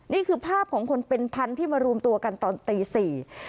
นี่คือภาพของคนเป็นพันที่มารวมตัวกันตอนตีสี่